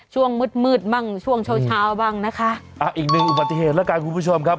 ช่วงมืดมืดบ้างช่วงเช้าเช้าบ้างนะคะอ่าอีกหนึ่งอุบัติเหตุแล้วกันคุณผู้ชมครับ